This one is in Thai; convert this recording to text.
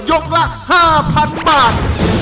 ละ๕๐๐๐บาท